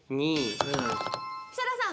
設楽さん。